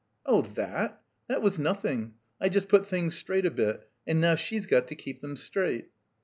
"Oh ihatl That was nothing. I just put things straight a bit, and now she's got to keep them straight."